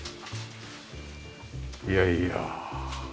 いやいや。